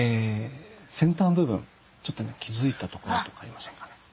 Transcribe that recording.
先端部分ちょっとね気付いたところとかありませんかね？